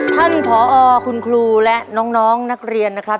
ท่านผอคุณครูและน้องนักเรียนนะครับ